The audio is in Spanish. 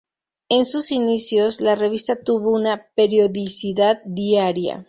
En sus inicios, la revista tuvo una periodicidad diaria.